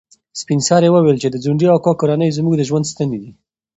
سپین سرې وویل چې د ځونډي اکا کورنۍ زموږ د ژوند ستنې دي.